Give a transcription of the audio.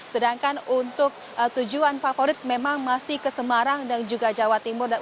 sedangkan untuk tujuan favorit memang masih ke semarang dan juga jawa timur